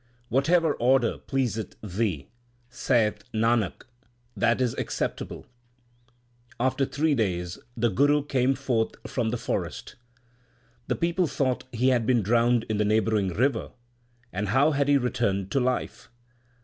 Whatever order pleaseth Thee, saith Nanak, that is acceptable. 1 After three days the Guru came forth from the forest. The people thought he had been drowned in the neighbouring river ; and how had he returned to life